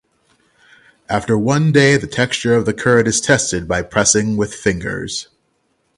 After one day the texture of the curd is tested by pressing with fingers.